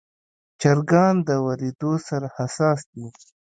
چرګان د وریدو سره حساس دي.